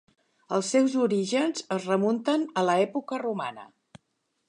Els seus orígens es remunten a l'època romana.